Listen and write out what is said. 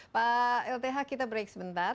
pak lth kita break sebentar